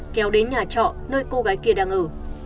kéo đến nhà trọ nơi cô gái kia đang ở